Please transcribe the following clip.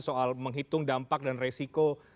soal menghitung dampak dan resiko